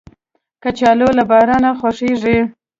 کچالو له بارانه خوښیږي